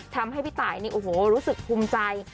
ทำให้พี่ตายรู้สึกภูมิใจ